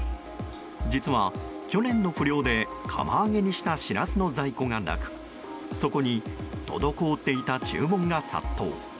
実は去年の不漁で釜揚げにしたシラスの在庫がなくそこに滞っていた注文が殺到。